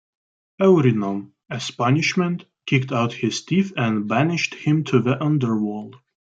Eurynome, as punishment, kicked out his teeth and banished him to the underworld.